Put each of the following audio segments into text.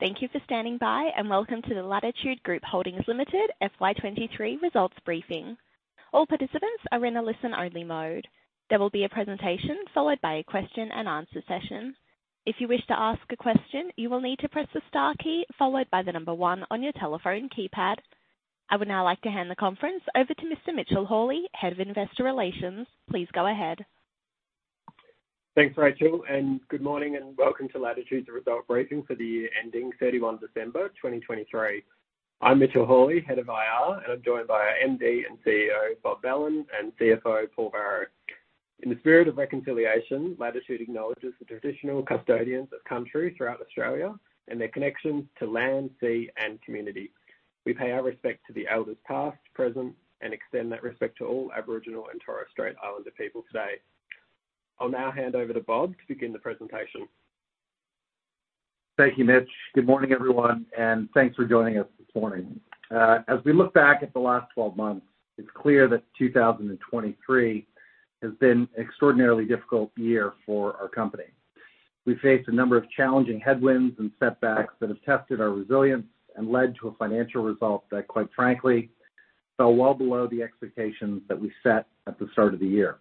Thank you for standing by, and welcome to the Latitude Group Holdings Limited FY 2023 results briefing. All participants are in a listen-only mode. There will be a presentation followed by a question-and-answer session. If you wish to ask a question, you will need to press the star key followed by the number 1 on your telephone keypad. I would now like to hand the conference over to Mr. Mitchell Hawley, Head of Investor Relations. Please go ahead. Thanks, Rachel, and good morning, and welcome to Latitude's result briefing for the year ending 31 December 2023. I'm Mitchell Hawley, Head of IR, and I'm joined by our MD and CEO, Bob Belan, and CFO, Paul Varro. In the spirit of reconciliation, Latitude acknowledges the traditional custodians of country throughout Australia and their connections to land, sea, and community. We pay our respects to the elders, past, present, and extend that respect to all Aboriginal and Torres Strait Islander people today. I'll now hand over to Bob to begin the presentation. Thank you, Mitch. Good morning, everyone, and thanks for joining us this morning. As we look back at the last 12 months, it's clear that 2023 has been extraordinarily difficult year for our company. We've faced a number of challenging headwinds and setbacks that have tested our resilience and led to a financial result that, quite frankly, fell well below the expectations that we set at the start of the year.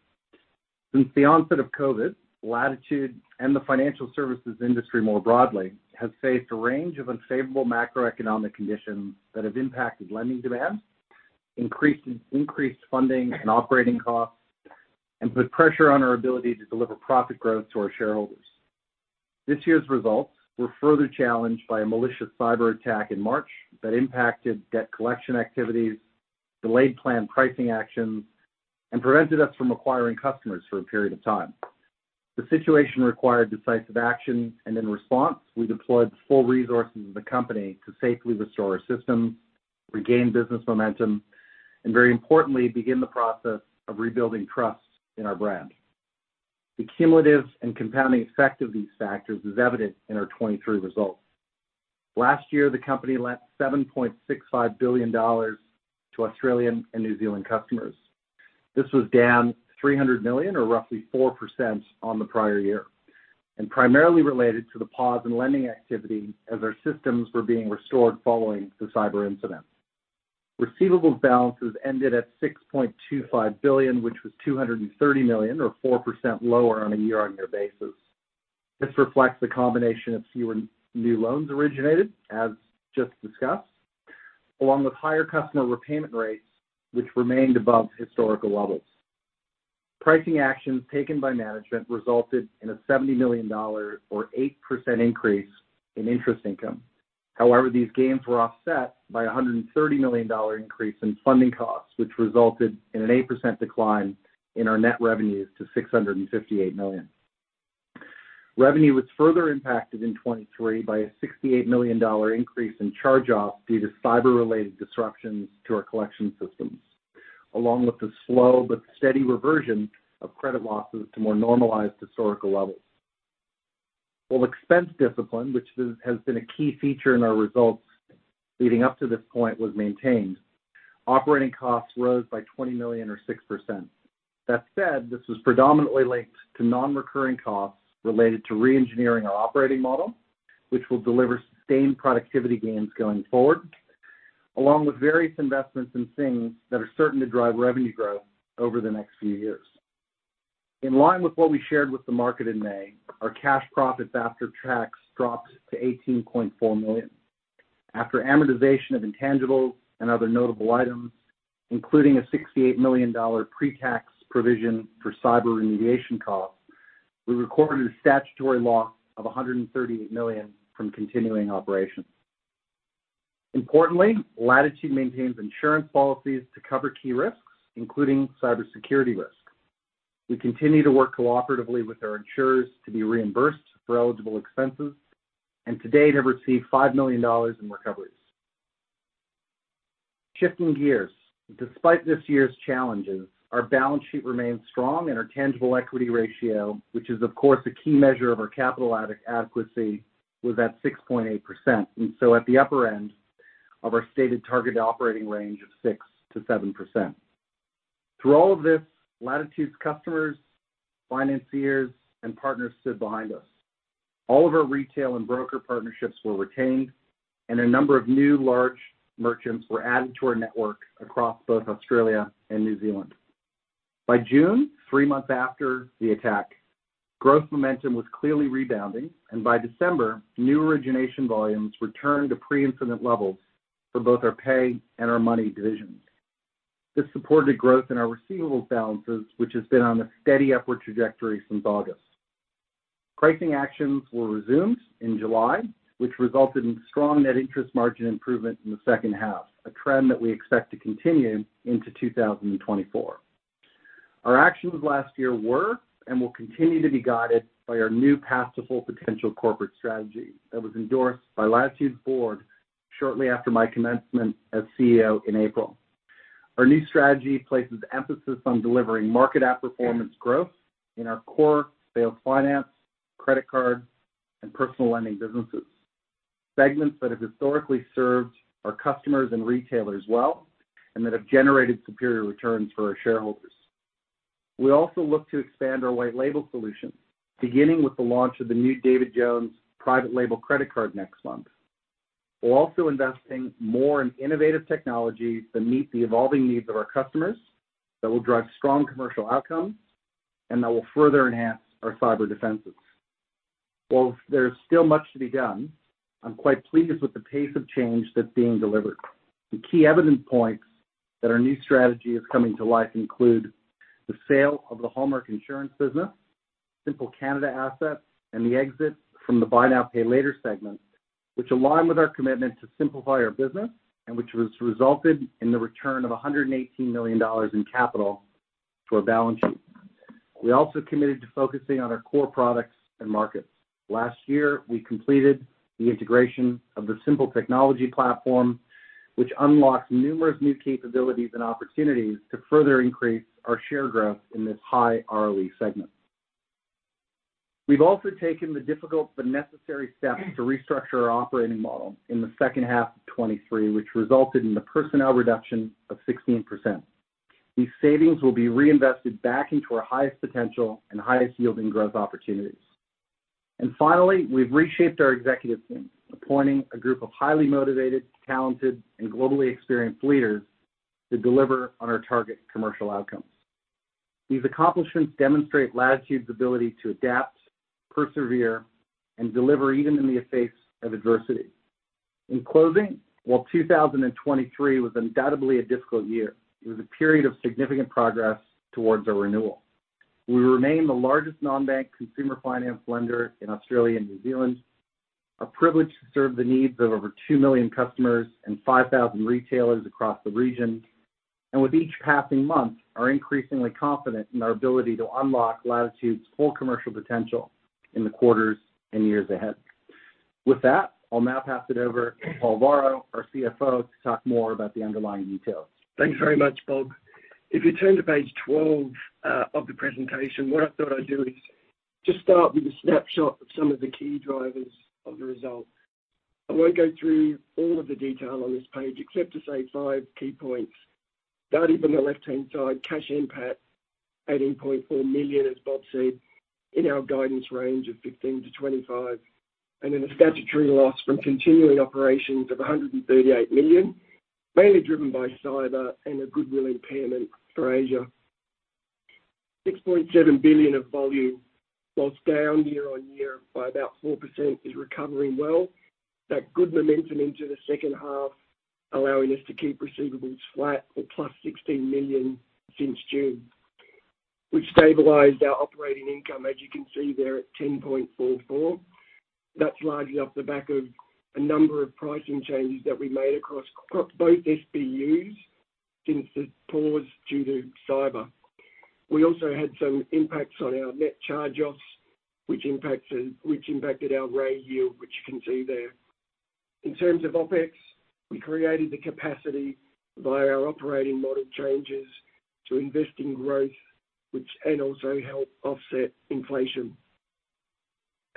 Since the onset of COVID, Latitude, and the financial services industry more broadly, has faced a range of unfavorable macroeconomic conditions that have impacted lending demand, increased funding and operating costs, and put pressure on our ability to deliver profit growth to our shareholders. This year's results were further challenged by a malicious cyberattack in March that impacted debt collection activities, delayed planned pricing actions, and prevented us from acquiring customers for a period of time. The situation required decisive action, and in response, we deployed the full resources of the company to safely restore our systems, regain business momentum, and very importantly, begin the process of rebuilding trust in our brand. The cumulative and compounding effect of these factors is evident in our 2023 results. Last year, the company lent 7.65 billion dollars to Australian and New Zealand customers. This was down 300 million, or roughly 4% on the prior year, and primarily related to the pause in lending activity as our systems were being restored following the cyber incident. Receivables balances ended at 6.25 billion, which was 230 million, or 4% lower on a year-on-year basis. This reflects a combination of fewer new loans originated, as just discussed, along with higher customer repayment rates, which remained above historical levels. Pricing actions taken by management resulted in a 70 million dollars, or 8% increase in interest income. However, these gains were offset by a 130 million dollar increase in funding costs, which resulted in an 8% decline in our net revenues to 658 million. Revenue was further impacted in 2023 by a 68 million dollar increase in charge-offs due to cyber-related disruptions to our collection systems, along with the slow but steady reversion of credit losses to more normalized historical levels. While expense discipline, which has been a key feature in our results leading up to this point, was maintained, operating costs rose by 20 million, or 6%. That said, this was predominantly linked to non-recurring costs related to reengineering our operating model, which will deliver sustained productivity gains going forward, along with various investments in things that are certain to drive revenue growth over the next few years. In line with what we shared with the market in May, our cash profits after tax dropped to 18.4 million. After amortization of intangibles and other notable items, including a 68 million dollar pre-tax provision for cyber remediation costs, we recorded a statutory loss of 138 million from continuing operations. Importantly, Latitude maintains insurance policies to cover key risks, including cybersecurity risk. We continue to work cooperatively with our insurers to be reimbursed for eligible expenses, and to date have received 5 million dollars in recoveries. Shifting gears, despite this year's challenges, our balance sheet remains strong and our tangible equity ratio, which is, of course, a key measure of our capital adequacy, was at 6.8%, and so at the upper end of our stated target operating range of 6%-7%. Through all of this, Latitude's customers, financiers, and partners stood behind us. All of our retail and broker partnerships were retained, and a number of new large merchants were added to our network across both Australia and New Zealand. By June, three months after the attack, growth momentum was clearly rebounding, and by December, new origination volumes returned to pre-incident levels for both our pay and our Money divisions. This supported growth in our receivables balances, which has been on a steady upward trajectory since August. Pricing actions were resumed in July, which resulted in strong net interest margin improvement in the second half, a trend that we expect to continue into 2024. Our actions last year were and will continue to be guided by our new Path to Full Potential corporate strategy that was endorsed by last year's board shortly after my commencement as CEO in April. Our new strategy places emphasis on delivering market outperformance growth in our core Sales Finance, credit card, and personal lending businesses. Segments that have historically served our customers and retailers well, and that have generated superior returns for our shareholders. We also look to expand our white label solution, beginning with the launch of the new David Jones Private Label Credit Card next month. We're also investing more in innovative technologies to meet the evolving needs of our customers, that will drive strong commercial outcomes, and that will further enhance our cyber defenses. While there is still much to be done, I'm quite pleased with the pace of change that's being delivered. The key evidence points that our new strategy is coming to life include the sale of the Hallmark Insurance business, Symple Canada assets, and the exit from the Buy Now, Pay Later segment, which align with our commitment to simplify our business and which has resulted in the return of 118 million dollars in capital to our balance sheet. We also committed to focusing on our core products and markets. Last year, we completed the integration of the Symple technology platform, which unlocks numerous new capabilities and opportunities to further increase our share growth in this high ROE segment. We've also taken the difficult but necessary steps to restructure our operating model in the second half of 2023, which resulted in the personnel reduction of 16%. These savings will be reinvested back into our highest potential and highest yielding growth opportunities. And finally, we've reshaped our executive team, appointing a group of highly motivated, talented, and globally experienced leaders to deliver on our target commercial outcomes. These accomplishments demonstrate Latitude's ability to adapt, persevere, and deliver even in the face of adversity. In closing, while 2023 was undoubtedly a difficult year, it was a period of significant progress towards our renewal. We remain the largest non-bank consumer finance lender in Australia and New Zealand. are privileged to serve the needs of over 2 million customers and 5,000 retailers across the region, and with each passing month, are increasingly confident in our ability to unlock Latitude's full commercial potential in the quarters and years ahead. With that, I'll now pass it over to Paul Varro, our CFO, to talk more about the underlying details. Thanks very much, Bob. If you turn to page 12 of the presentation, what I thought I'd do is just start with a snapshot of some of the key drivers of the result. I won't go through all of the detail on this page, except to say five key points, starting from the left-hand side, cash NPAT, 18.4 million, as Bob said, in our guidance range of 15 million-25 million, and then a statutory loss from continuing operations of 138 million, mainly driven by cyber and a goodwill impairment for Asia. 6.7 billion of volume, while down year-on-year by about 4%, is recovering well. That good momentum into the second half, allowing us to keep receivables flat or +16 million since June. We've stabilized our operating income, as you can see there, at 10.44. That's largely off the back of a number of pricing changes that we made across, across both SBUs since the pause due to cyber. We also had some impacts on our net charge-offs, which impacted, which impacted our rate yield, which you can see there. In terms of OpEx, we created the capacity via our operating model changes to invest in growth, which, and also help offset inflation.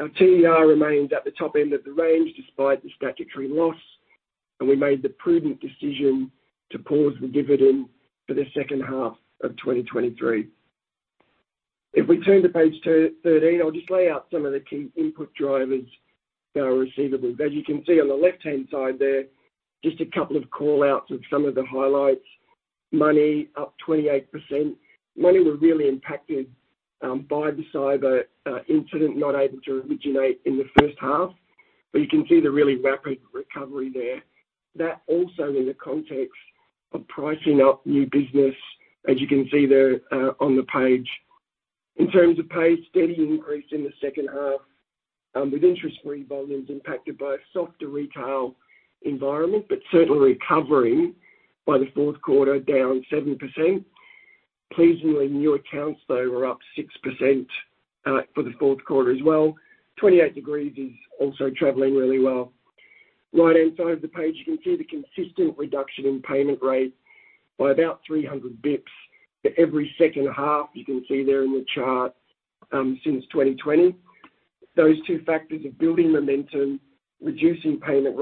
Our TER remains at the top end of the range, despite the statutory loss, and we made the prudent decision to pause the dividend for the second half of 2023. If we turn to page 213, I'll just lay out some of the key input drivers that are receivables. As you can see on the left-hand side there, just a couple of call-outs of some of the highlights. Money, up 28%. Money was really impacted by the cyber incident, not able to originate in the first half, but you can see the really rapid recovery there. That also in the context of pricing up new business, as you can see there on the page. In terms of pace, steady increase in the second half, with interest-free volumes impacted by a softer retail environment, but certainly recovering by the fourth quarter, down 7%. Pleasingly, new accounts, though, were up 6% for the fourth quarter as well. 28 Degrees is also traveling really well. Right-hand side of the page, you can see the consistent reduction in payment rates by about 300 basis points for every second half. You can see there in the chart since 2020. Those two factors of building momentum, reducing payment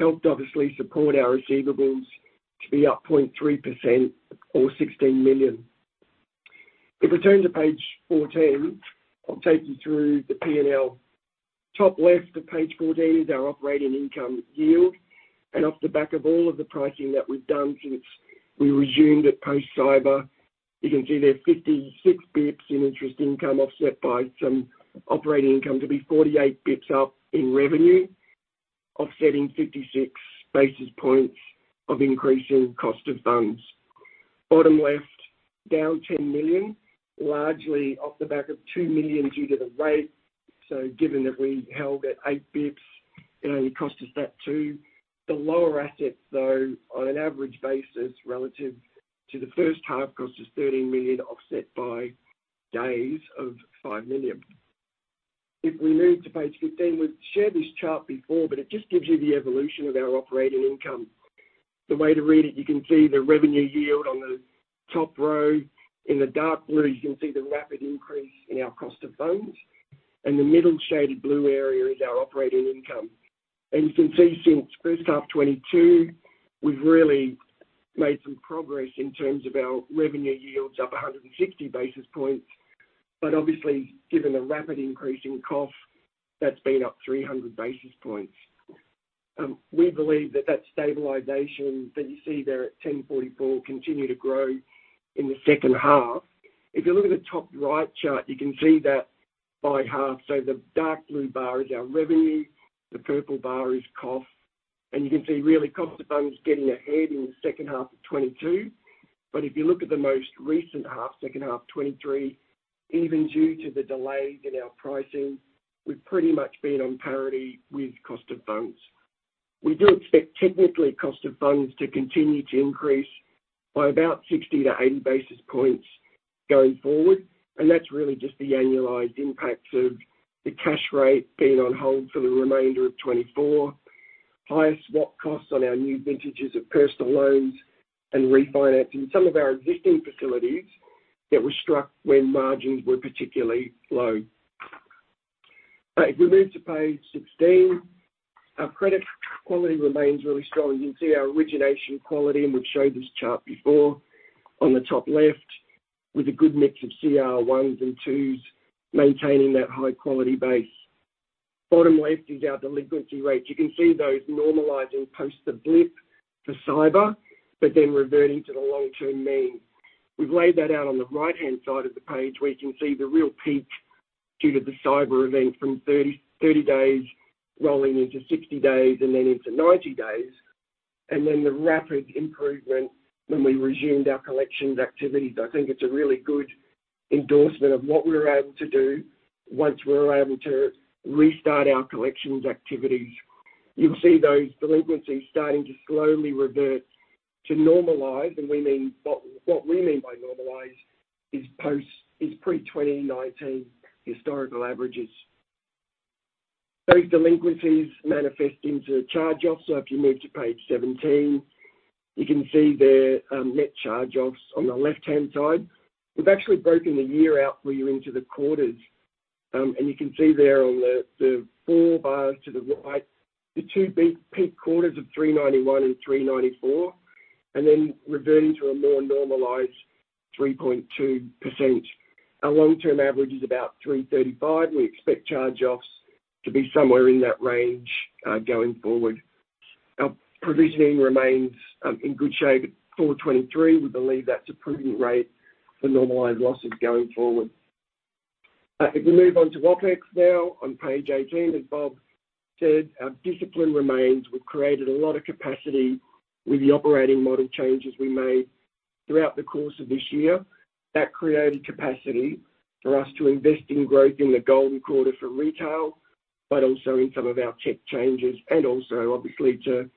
rates, helped obviously support our receivables to be up 0.3% or 16 million. If we turn to page 14, I'll take you through the P&L. Top left of page 14 is our operating income yield, and off the back of all of the pricing that we've done since we resumed at post-cyber, you can see there 56 basis points in interest income, offset by some operating income, to be 48 basis points up in revenue, offsetting 56 basis points of increase in cost of funds. Bottom left, down 10 million, largely off the back of 2 million due to the rate. So given that we held at 8 basis points, it only cost us that two. The lower assets, though, on an average basis relative to the first half, cost us 13 million, offset by days of 5 million. If we move to page 15, we've shared this chart before, but it just gives you the evolution of our operating income. The way to read it, you can see the revenue yield on the top row. In the dark blue, you can see the rapid increase in our cost of funds, and the middle shaded blue area is our operating income. And you can see since first half 2022, we've really made some progress in terms of our revenue yields, up 160 basis points. But obviously, given the rapid increase in costs, that's been up 300 basis points. We believe that that stabilization that you see there at 10.44 continue to grow in the second half. If you look at the top right chart, you can see that by half. So the dark blue bar is our revenue, the purple bar is cost, and you can see really, cost of funds getting ahead in the second half of 2022. But if you look at the most recent half, second half 2023, even due to the delays in our pricing, we've pretty much been on parity with cost of funds. We do expect, technically, cost of funds to continue to increase by about 60-80 basis points going forward, and that's really just the annualized impacts of the cash rate being on hold for the remainder of 2024. Higher swap costs on our new vintages of personal loans and refinancing some of our existing facilities that were struck when margins were particularly low. But if you move to page 16, our credit quality remains really strong. You can see our origination quality, and we've showed this chart before, on the top left, with a good mix of CR1s and CR2s, maintaining that high quality base. Bottom left is our delinquency rate. You can see those normalizing post the blip for cyber, but then reverting to the long-term mean. We've laid that out on the right-hand side of the page, where you can see the real peak due to the cyber event from 30, 30 days, rolling into 60 days and then into 90 days, and then the rapid improvement when we resumed our collections activities. I think it's a really good endorsement of what we're able to do once we're able to restart our collections activities. You'll see those delinquencies starting to slowly revert to normalize, and what we mean by normalize is pre-2019 historical averages. Those delinquencies manifest into charge-offs. So if you move to page 17, you can see there, net charge-offs on the left-hand side. We've actually broken the year out for you into the quarters, and you can see there on the, the four bars to the right, the two big peak quarters of 3.91% and 3.94%, and then reverting to a more normalized 3.2%. Our long-term average is about 3.35. We expect charge-offs to be somewhere in that range, going forward. Our provisioning remains, in good shape at 4.23. We believe that's a prudent rate for normalized losses going forward. If we move on to OpEx now, on page 18, as Bob said, our discipline remains. We've created a lot of capacity with the operating model changes we made throughout the course of this year. That created capacity for us to invest in growth in the golden quarter for retail, but also in some of our tech changes, and also, obviously, to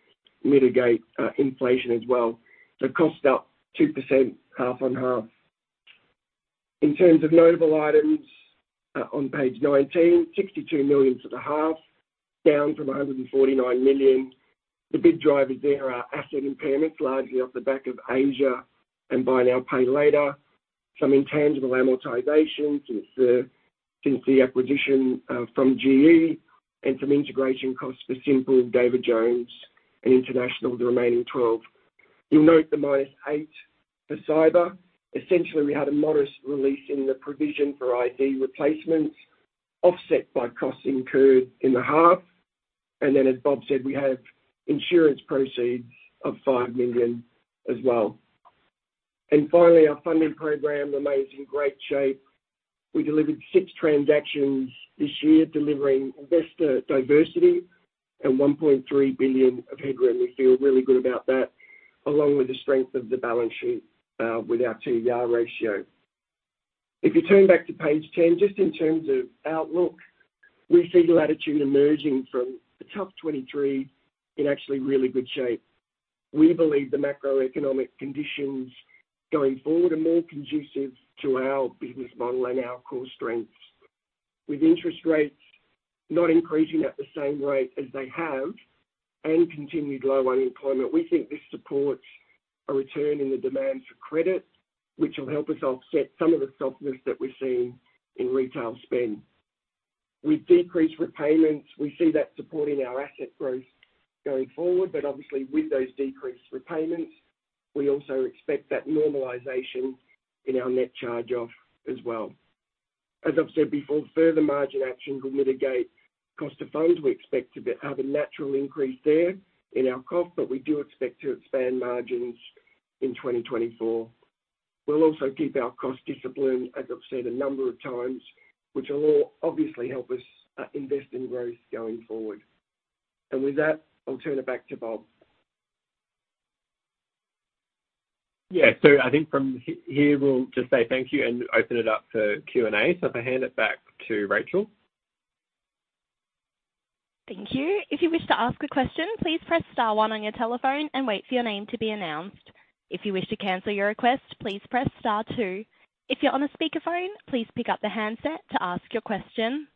mitigate inflation as well. So costs up 2%, half on half. In terms of notable items, on page 19, 62 million for the half, down from 149 million. The big drivers there are asset impairments, largely off the back of Asia, and buy now, pay later, some intangible amortization since the acquisition from GE, and some integration costs for Simple, David Jones, and international, the remaining 12. You'll note the -8 for cyber. Essentially, we had a modest release in the provision for IT replacements, offset by costs incurred in the half. And then, as Bob said, we have insurance proceeds of 5 million as well. And finally, our funding program remains in great shape. We delivered six transactions this year, delivering investor diversity and 1.3 billion of headroom. We feel really good about that, along with the strength of the balance sheet, with our TER ratio. If you turn back to page 10, just in terms of outlook, we see Latitude emerging from a tough 2023 in actually really good shape. We believe the macroeconomic conditions going forward are more conducive to our business model and our core strengths. With interest rates not increasing at the same rate as they have and continued low unemployment, we think this supports a return in the demand for credit, which will help us offset some of the softness that we're seeing in retail spend. With decreased repayments, we see that supporting our asset growth going forward, but obviously, with those decreased repayments, we also expect that normalization in our net charge-off as well. As I've said before, further margin action will mitigate cost of funds. We expect to have a natural increase there in our costs, but we do expect to expand margins in 2024. We'll also keep our cost discipline, as I've said a number of times, which will all obviously help us, invest in growth going forward. With that, I'll turn it back to Bob. Yeah. So I think from here, we'll just say thank you and open it up for Q&A. So if I hand it back to Rachel. Thank you. If you wish to ask a question, please press star one on your telephone and wait for your name to be announced. If you wish to cancel your request, please press star two. If you're on a speakerphone, please pick up the handset to ask your question.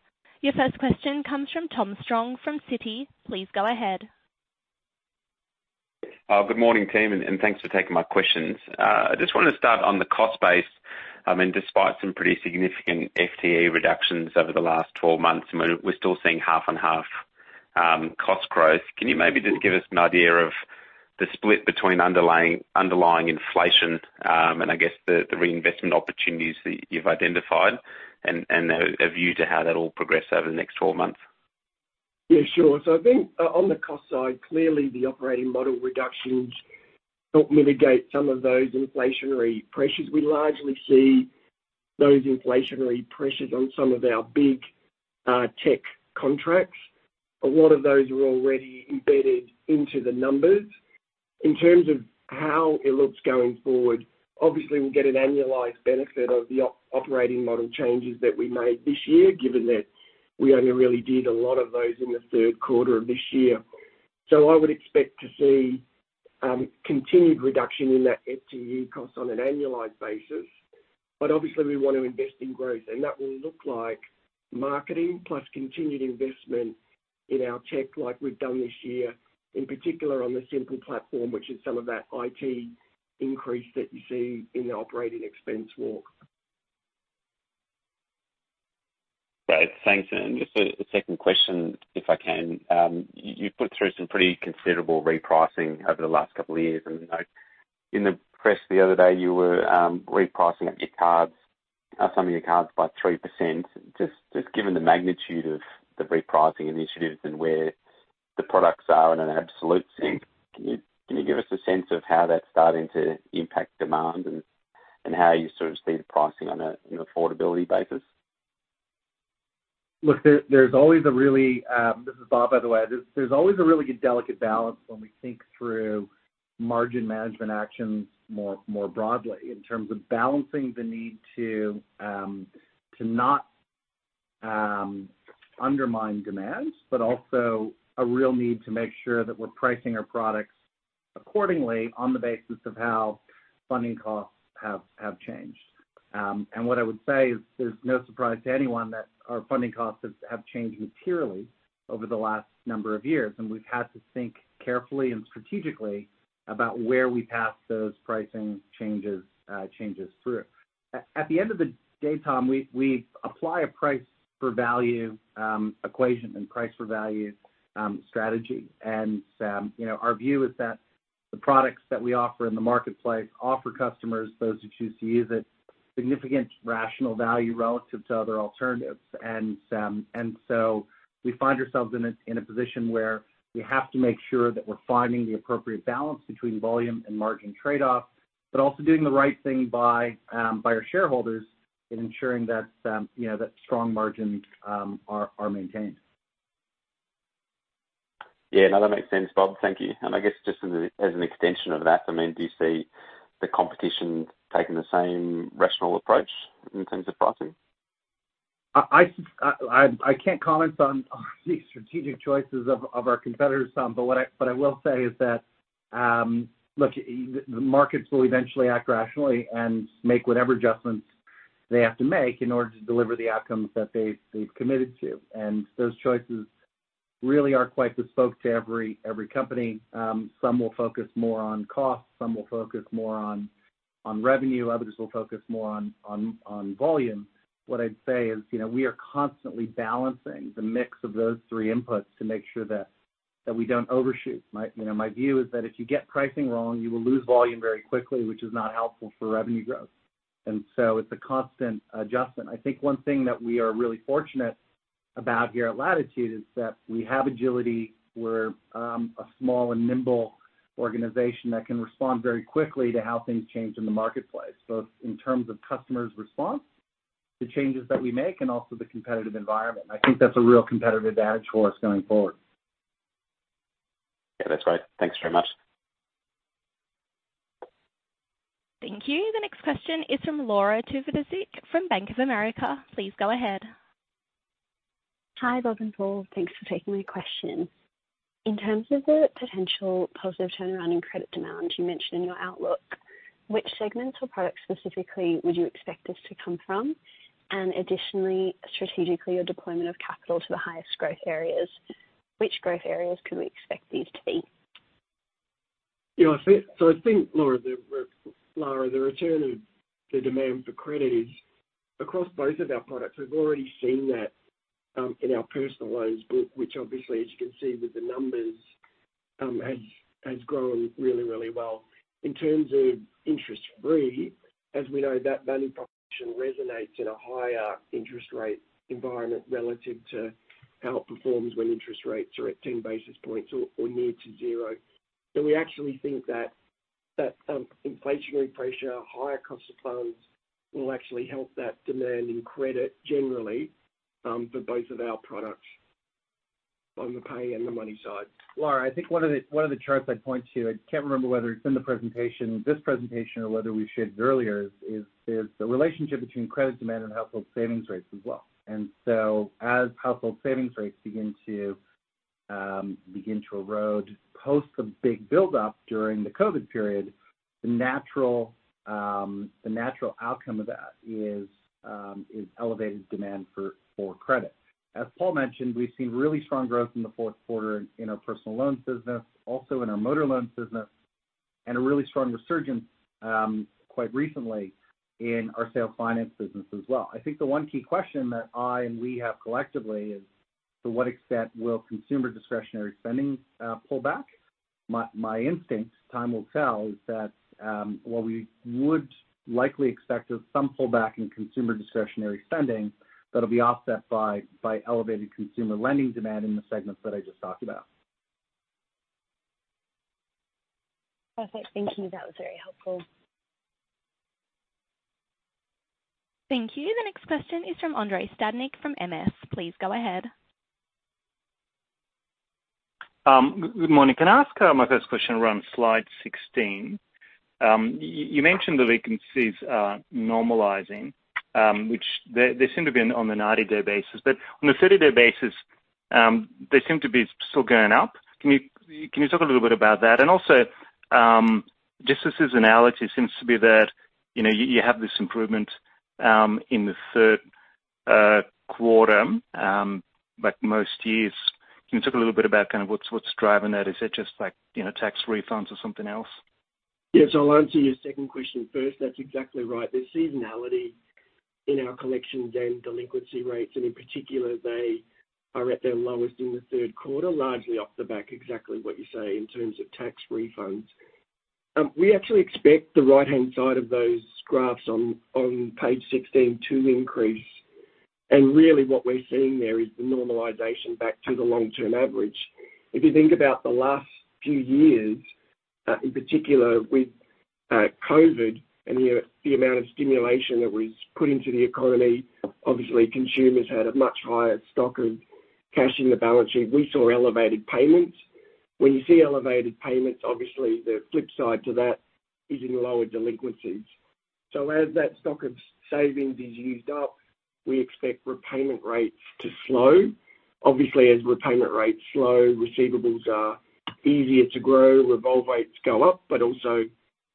Your first question comes from Tom Strong from Citi. Please go ahead. ... Good morning, team, and thanks for taking my questions. I just wanted to start on the cost base. I mean, despite some pretty significant FTE reductions over the last 12 months, and we're still seeing half and half cost growth. Can you maybe just give us an idea of the split between underlying inflation, and I guess the reinvestment opportunities that you've identified, and a view to how that'll progress over the next 12 months? Yeah, sure. So I think, on the cost side, clearly, the operating model reductions helped mitigate some of those inflationary pressures. We largely see those inflationary pressures on some of our big, tech contracts. A lot of those were already embedded into the numbers. In terms of how it looks going forward, obviously, we'll get an annualized benefit of the operating model changes that we made this year, given that we only really did a lot of those in the third quarter of this year. So I would expect to see, continued reduction in that FTE cost on an annualized basis. But obviously, we want to invest in growth, and that will look like marketing plus continued investment in our tech like we've done this year, in particular, on the Simple platform, which is some of that IT increase that you see in the operating expense walk. Great. Thanks. And just a second question, if I can. You, you've put through some pretty considerable repricing over the last couple of years, and, like, in the press the other day, you were repricing your cards, some of your cards by 3%. Just, just given the magnitude of the repricing initiatives and where the products are in an absolute sense, can you, can you give us a sense of how that's starting to impact demand and, and how you sort of see the pricing on a, you know, affordability basis? Look, there, there's always a really. This is Bob, by the way. There's always a really delicate balance when we think through margin management actions more broadly, in terms of balancing the need to not undermine demand, but also a real need to make sure that we're pricing our products accordingly on the basis of how funding costs have changed. And what I would say is, there's no surprise to anyone that our funding costs have changed materially over the last number of years, and we've had to think carefully and strategically about where we pass those pricing changes through. At the end of the day, Tom, we apply a price for value equation and price for value strategy. You know, our view is that the products that we offer in the marketplace offer customers, those who choose to use it, significant rational value relative to other alternatives. And so we find ourselves in a position where we have to make sure that we're finding the appropriate balance between volume and margin trade-off, but also doing the right thing by our shareholders in ensuring that, you know, that strong margins are maintained. Yeah, no, that makes sense, Bob. Thank you. I guess just as a, as an extension of that, I mean, do you see the competition taking the same rational approach in terms of pricing? I can't comment on the strategic choices of our competitors, Tom, but what I will say is that, look, the markets will eventually act rationally and make whatever adjustments they have to make in order to deliver the outcomes that they've committed to. And those choices really are quite bespoke to every company. Some will focus more on cost, some will focus more on revenue, others will focus more on volume. What I'd say is, you know, we are constantly balancing the mix of those three inputs to make sure that we don't overshoot. You know, my view is that if you get pricing wrong, you will lose volume very quickly, which is not helpful for revenue growth, and so it's a constant adjustment. I think one thing that we are really fortunate about here at Latitude is that we have agility. We're a small and nimble organization that can respond very quickly to how things change in the marketplace, both in terms of customers' response to changes that we make and also the competitive environment. I think that's a real competitive advantage for us going forward. Yeah, that's right. Thanks very much. Thank you. The next question is from Laura Giudici from Bank of America. Please go ahead. Hi, Bob and Paul. Thanks for taking my question. In terms of the potential positive turnaround in credit demand you mentioned in your outlook, which segments or products specifically would you expect this to come from? And additionally, strategically, your deployment of capital to the highest growth areas, which growth areas can we expect these to be? I think, Laura, the return of the demand for credit is across both of our products. We've already seen that in our personal loans book, which obviously, as you can see with the numbers, has grown really, really well. In terms of interest-free, as we know, that value proposition resonates in a higher interest rate environment relative to how it performs when interest rates are at 10 basis points or near to 0. So we actually think that inflationary pressure, higher cost of funds, will actually help that demand in credit generally for both of our products on the pay and the money side. Laura, I think one of the charts I'd point to. I can't remember whether it's in the presentation, this presentation, or whether we've shared it earlier, is the relationship between credit demand and household savings rates as well. And so as household savings rates begin to erode, post the big buildup during the COVID period, the natural outcome of that is elevated demand for credit. As Paul mentioned, we've seen really strong growth in the fourth quarter in our personal loan business, also in our motor loan business, and a really strong resurgence quite recently in our sales finance business as well. I think the one key question that I and we have collectively is, to what extent will consumer discretionary spending pull back? My instinct, time will tell, is that what we would likely expect is some pullback in consumer discretionary spending that'll be offset by elevated consumer lending demand in the segments that I just talked about. Perfect. Thank you. That was very helpful. Thank you. The next question is from Andrei Stadnik from MS. Please go ahead. Good morning. Can I ask my first question around slide 16? You mentioned the delinquencies are normalizing, which they seem to be on the 90-day basis, but on a 30-day basis, they seem to be still going up. Can you talk a little bit about that? And also, just the seasonality seems to be that, you know, you have this improvement in the third quarter, but most years. Can you talk a little bit about kind of what's driving that? Is it just like, you know, tax refunds or something else? Yes, I'll answer your second question first. That's exactly right. There's seasonality in our collection and delinquency rates, and in particular, they are at their lowest in the third quarter, largely off the back, exactly what you say in terms of tax refunds. We actually expect the right-hand side of those graphs on, on page 16 to increase. And really, what we're seeing there is the normalization back to the long-term average. If you think about the last few years, in particular with COVID and the amount of stimulation that was put into the economy, obviously, consumers had a much higher stock of cash in the balance sheet. We saw elevated payments. When you see elevated payments, obviously the flip side to that is in lower delinquencies. So as that stock of savings is used up, we expect repayment rates to slow. Obviously, as repayment rates slow, receivables are easier to grow, revolve rates go up, but also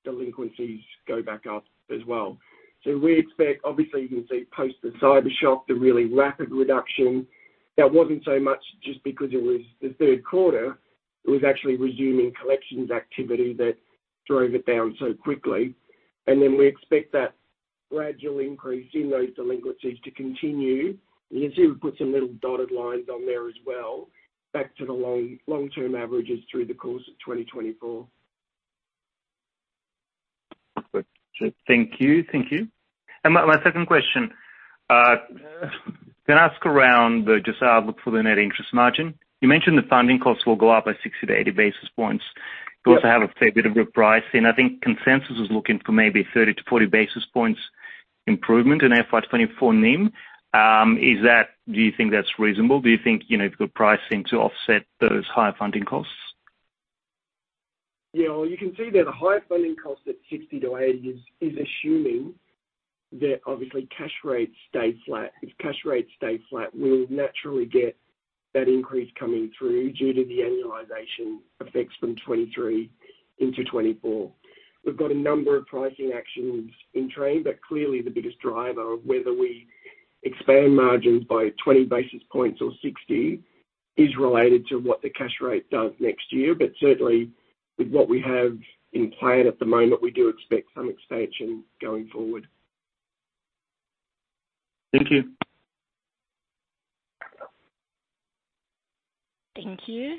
delinquencies go back up as well. So we expect, obviously, you can see post the cyber shock, the really rapid reduction. That wasn't so much just because it was the third quarter, it was actually resuming collections activity that drove it down so quickly. And then we expect that gradual increase in those delinquencies to continue. You can see we put some little dotted lines on there as well, back to the long, long-term averages through the course of 2024. Thank you. Thank you. And my, my second question, can I ask around the just outlook for the net interest margin? You mentioned the funding costs will go up by 60-80 basis points. Yes. You also have a fair bit of repricing. I think consensus is looking for maybe 30-40 basis points improvement in FY 2024 NIM. Is that? Do you think that's reasonable? Do you think, you know, you've got pricing to offset those higher funding costs? Yeah, well, you can see that the higher funding cost at 60-80 is, is assuming that obviously cash rates stay flat. If cash rates stay flat, we'll naturally get that increase coming through due to the annualization effects from 2023 into 2024. We've got a number of pricing actions in train, but clearly the biggest driver, whether we expand margins by 20 basis points or 60, is related to what the cash rate does next year. But certainly, with what we have in plan at the moment, we do expect some expansion going forward. Thank you. Thank you.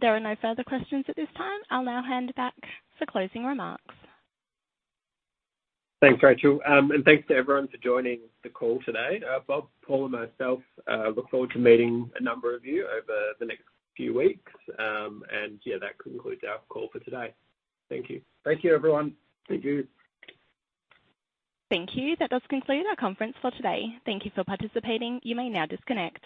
There are no further questions at this time. I'll now hand it back for closing remarks. Thanks, Rachel, and thanks to everyone for joining the call today. Bob, Paul, and myself look forward to meeting a number of you over the next few weeks. And yeah, that concludes our call for today. Thank you. Thank you, everyone. Thank you. Thank you. That does conclude our conference for today. Thank you for participating. You may now disconnect.